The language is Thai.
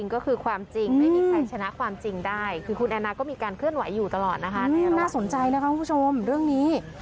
น่าสนใจนะคะคุณผู้ชมเรื่องนี้